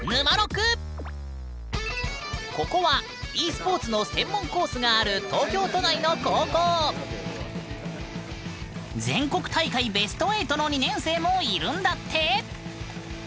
ここはｅスポーツの専門コースがある東京都内の高校全国大会ベスト８の２年生もいるんだって！